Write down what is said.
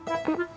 kamu mau ke rumah